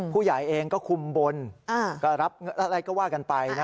ผู้ใหญ่เองก็คุมบนก็รับอะไรก็ว่ากันไปนะ